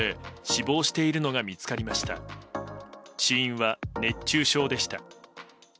死因は熱中症でした。